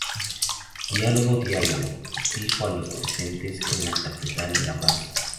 Diálogo, diálogo", dijo a los presentes en la catedral de La Paz.